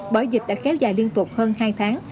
bởi dịch đã kéo dài liên tục hơn hai tháng